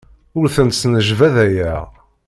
Ur tent-snejbadayeɣ.